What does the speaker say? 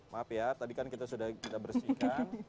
maaf ya tadi kan kita sudah kita bersihkan